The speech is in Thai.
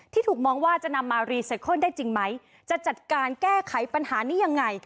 ถูกมองว่าจะนำมารีไซเคิลได้จริงไหมจะจัดการแก้ไขปัญหานี้ยังไง